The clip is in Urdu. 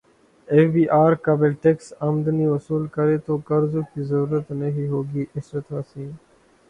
ایف بی ار قابل ٹیکس امدنی وصول کرے تو قرضوں کی ضرورت نہیں ہوگی عشرت حسین